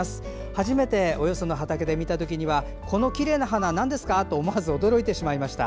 初めてよその畑で見た時はこのきれいな花、なんですか？と思わず驚きました。